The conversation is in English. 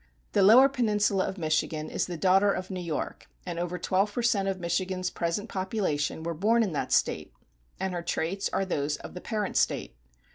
The lower peninsula of Michigan is the daughter of New York and over twelve per cent of Michigan's present population were born in that State, and her traits are those of the parent State.